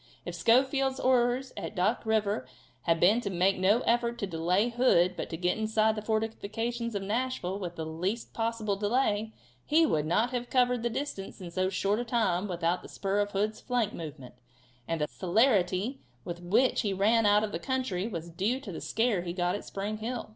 If Schofield's orders at Duck river had been to make no effort to delay Hood but to get inside the fortifications of Nashville with the least possible delay, he would not have covered the distance in so short a time without the spur of Hood's flank movement, and the celerity with which he ran out of the country was due to the scare he got at Spring Hill.